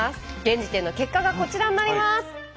現時点の結果がこちらになります！